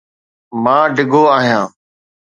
مان ڊگهو آهيان.